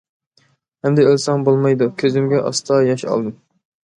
ئەمدى ئۆلسەڭ بولمايدۇ، كۆزۈمگە ئاستا ياش ئالدىم.